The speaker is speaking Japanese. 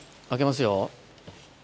開けますよ。